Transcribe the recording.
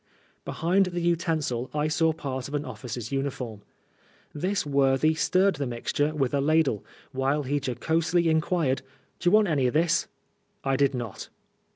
Behind the utensil I saw part of an officer's uniform. This worthy stirred the mixture with a ladle, while he jocosely in quired, " D'ye want any of this ?" I did not.